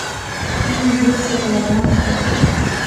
Imos ver se colaboramos todos.